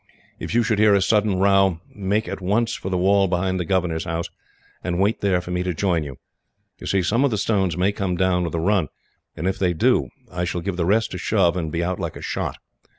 "If you should hear a sudden row, make at once for the wall behind the governor's house, and wait there for me to join you. You see, some of the stones may come down with a run, and if they do I shall give the rest a shove, and be out like a shot.